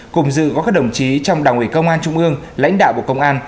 cùng dự có các đồng chí trong đảng ủy công an trung ương lãnh đạo bộ công an